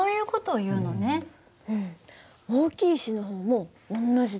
大きい石の方も同じだ。